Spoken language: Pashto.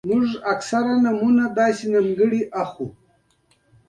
دې ودانۍ ته په نږدې کېدلو کسان وليدل.